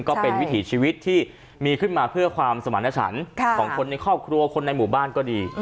ก็เป็นวิถีชีวิตที่มีขึ้นมาเพื่อความสมรรถฉันของคนในครอบครัวคนในหมู่บ้านก็ดี